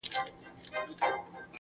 • سپوږمۍ خو مياشت كي څو ورځي وي.